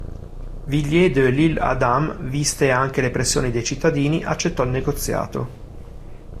Villiers de L'Isle-Adam, viste anche le pressioni dei cittadini, accettò il negoziato.